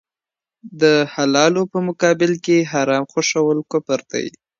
د حلالو په مقابل کي حرام خوښول کفر دی.